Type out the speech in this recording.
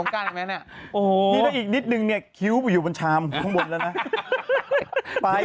กันชาย